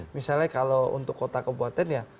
misalnya kalau untuk kota kebuatan ya